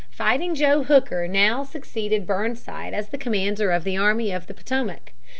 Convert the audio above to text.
"Fighting Joe" Hooker now succeeded Burnside as commander of the Army of the Potomac.